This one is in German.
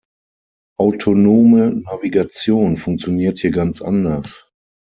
Autonome Navigation funktioniert hier ganz anders.